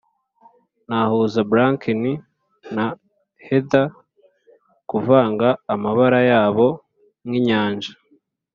nahuza bracken na heather, kuvanga amabara yabo nkinyanja,